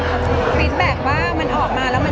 ติดมากว่ามันออกมาแล้วไหน